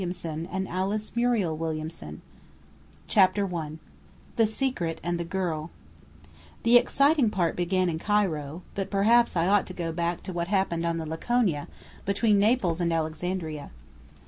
The Secret IT HAPPENED IN EGYPT CHAPTER I THE SECRET AND THE GIRL The exciting part began in Cairo; but perhaps I ought to go back to what happened on the Laconia, between Naples and Alexandria.